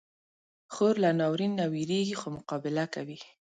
خور له ناورین نه وېریږي، خو مقابله کوي.